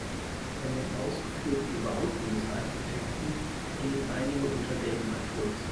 Von den ausgeführten Bauten des Architekten stehen einige unter Denkmalschutz.